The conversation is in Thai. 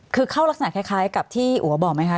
คือเข้ารักษณะคล้ายกับที่อัวบอกไหมคะ